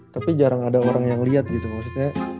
tapi jarang ada orang yang lihat gitu maksudnya